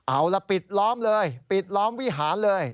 เอาล่ะปิดล้อมเลยปิดล้อมวิหารเลย